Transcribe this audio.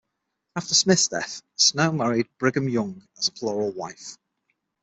After Smith's death, Snow married Brigham Young as a plural wife.